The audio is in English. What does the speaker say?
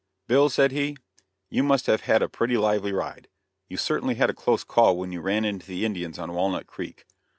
"Bill," said he, "you must have had a pretty lively ride. You certainly had a close call when you ran into the Indians on Walnut Creek.